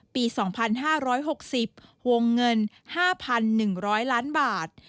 ปี๒๕๖๐วงเงิน๕๑๐๐ล้านบาท